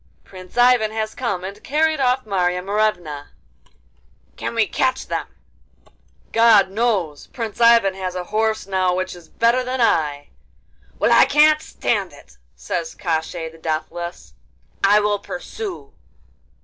'Prince Ivan has come and carried off Marya Morevna.' 'Can we catch them?' 'God knows! Prince Ivan has a horse now which is better than I.' 'Well, I can't stand it,' says Koshchei the Deathless. 'I will pursue.